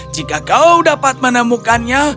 jika kau dapat menemukannya